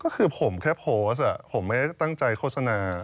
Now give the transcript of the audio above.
ก็คือผมแค่โพสต์ผมไม่ได้ตั้งใจโฆษณา